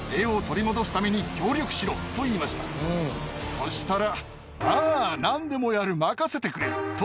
そしたら。